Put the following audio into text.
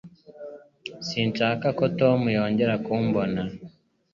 Sinshaka ko Tom yongera kumbona